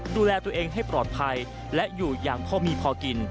ดูแลตัวเองให้ปลอดภัยและอยู่อย่างพอมีพอกิน